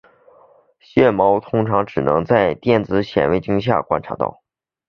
线毛通常只能在电子显微镜下观察到。